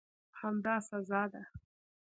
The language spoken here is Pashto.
همدا سزا ده.